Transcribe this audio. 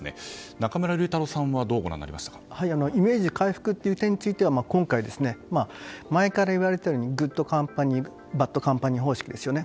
中村竜太郎さんはイメージ回復という点については今回、前から言われたようにグッドカンパニーバッドカンパニー方式ですよね。